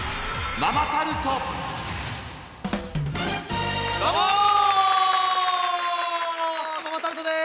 ママタルトです。